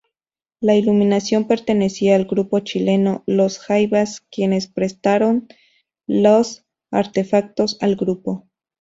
La iluminación pertenecía al grupo chileno Los Jaivas, quienes prestaron los artefactos al grupo.